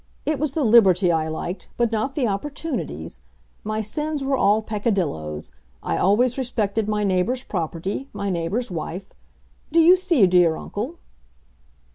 It was the liberty I liked, but not the opportunities! My sins were all peccadilloes; I always respected my neighbor's property—my neighbor's wife. Do you see, dear uncle?"